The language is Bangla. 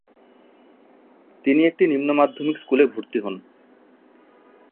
তিনি একটি নিম্ন মাধ্যমিক স্কুলে ভর্তি হন।